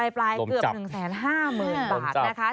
ปลายเกือบ๑๕๐๐๐๐บาท